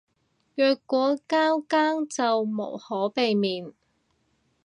若果交更就無可避免